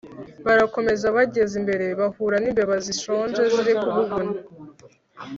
barakomeza, bageze imbere bahura n'imbeba zishonje ziri kuguguna